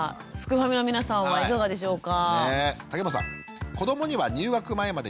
ファミの皆さんはいかがでしょうか？